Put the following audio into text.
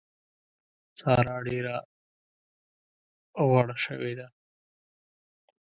سارا ډېره غوړه شوې ده.